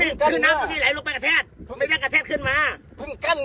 นี่คือน้ำก็ไม่ไหลลงไปกระแทดไม่ได้กระแทดขึ้นมาเพิ่งกั้น